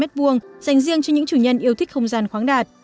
dành riêng cho những chủ nhân yêu thích không gian khoáng đạt